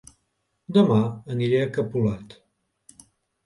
Dema aniré a Capolat